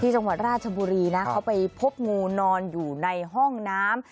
จังหวัดราชบุรีนะเขาไปพบงูนอนอยู่ในห้องน้ำ